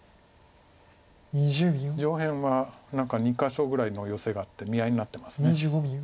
上辺は何か２か所ぐらいのヨセがあって見合いになってます。